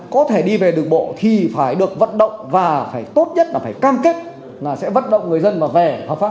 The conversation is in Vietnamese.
có thể đi về được bộ thì phải được vận động và tốt nhất là phải cam kết là sẽ vận động người dân và về